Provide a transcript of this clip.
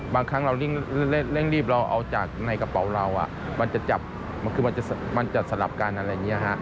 บางครั้งเราเร่งรีบเราเอาจากในกระเป๋าเรามันจะจับมันคือมันจะสลับกันอะไรอย่างนี้ฮะ